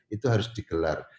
itu harus digelar